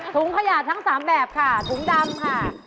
ถุงขยะทั้ง๓แบบค่ะถุงดำค่ะ